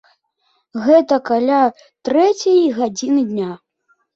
Гэта каля трэцяй гадзіны дня.